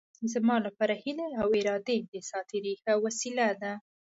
زما لپاره هیلې او ارادې د ساعت تېرۍ ښه وسیله ده.